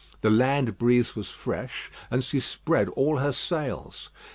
The land breeze was fresh, and she spread all her sails.